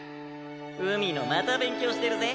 海野また勉強してるぜ。